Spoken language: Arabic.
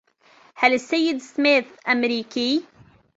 هل السيد سميث أمريكي؟